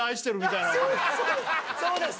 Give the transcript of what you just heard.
そうです